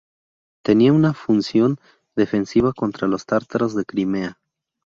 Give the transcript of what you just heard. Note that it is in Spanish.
Tenía una función defensiva contra los tártaros de Crimea.